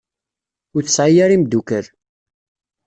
Ur tesɛi ara imdukkal.